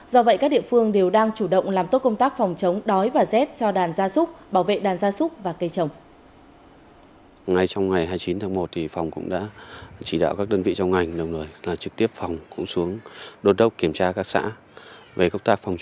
do vậy các địa phương đều đang chủ động làm tốt công tác phòng chống đói và rét cho đàn gia súc